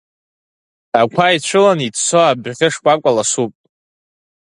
Ақәа ицәылан иӡсо абӷьы шкәакәа ласуп.